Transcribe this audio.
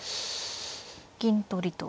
銀取りと。